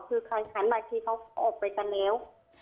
ฉะนั้นตำแกะเขาออกไปกันแล้ว